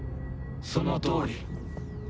そのとおり。